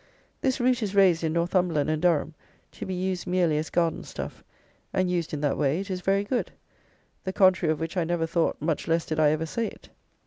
This root is raised in Northumberland and Durham, to be used merely as garden stuff; and, used in that way, it is very good; the contrary of which I never thought, much less did I ever say it.